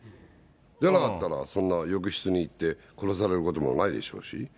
じゃなかったら、そんな浴室に行って殺されることもないでしょうし。